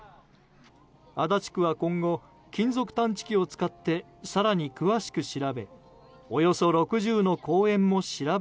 足立区は今後金属探知機を使って更に詳しく調べ